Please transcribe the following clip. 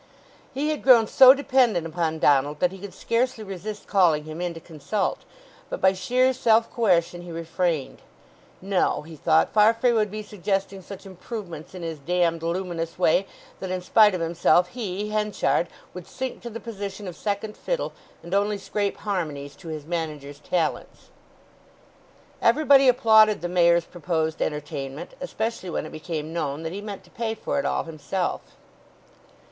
He had grown so dependent upon Donald that he could scarcely resist calling him in to consult. But by sheer self coercion he refrained. No, he thought, Farfrae would be suggesting such improvements in his damned luminous way that in spite of himself he, Henchard, would sink to the position of second fiddle, and only scrape harmonies to his manager's talents. Everybody applauded the Mayor's proposed entertainment, especially when it became known that he meant to pay for it all himself.